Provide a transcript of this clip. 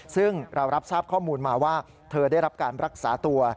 ซึ่งเรารับทราบข้อมูลมาว่าเธอได้รับการรักษาตัว